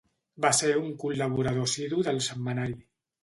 Va ser un col·laborador assidu del setmanari.